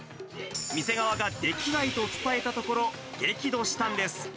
店側ができないと伝えたところ、激怒したんです。